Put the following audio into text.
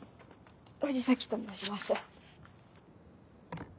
藤崎と申します。